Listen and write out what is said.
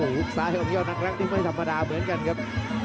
หูก็ซ่ายออกแย่ตัวนักรักภารกิจไม่ธรรมดาเหมือนกันครับ